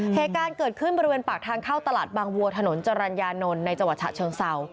เหตุการณ์เกิดขึ้นบริเวณปากทางเข้าตลาดบางวัวถนนจรรยานนท์ในจังหวัดฉะเชิงเศร้า